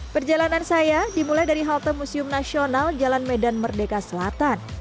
perjalanan saya dimulai dari halte museum nasional jalan medan merdeka selatan